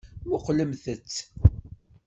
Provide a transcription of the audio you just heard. Muqqlemt-tt.